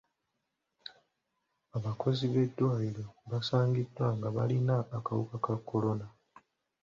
Abakozi b'eddwaliro basangiddwa nga balina akawuka ka kolona.